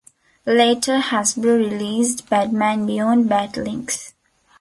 Later, Hasbro released Batman Beyond: Bat-Links.